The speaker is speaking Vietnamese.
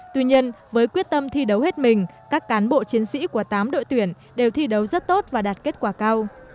tuy nhiên với quyết tâm thi đấu hết mình các cán bộ chiến sĩ của tám đội tuyển đều thi đấu rất tốt và đạt kết quả cao